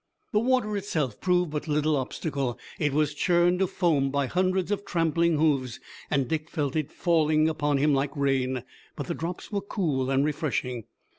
The water itself proved but little obstacle. It was churned to foam by hundreds of trampling hoofs, and Dick felt it falling upon him like rain, but the drops were cool and refreshing.